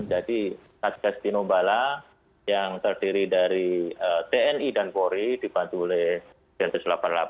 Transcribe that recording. jadi satgas tinobala yang terdiri dari tni dan pori dibantu oleh dprs delapan puluh delapan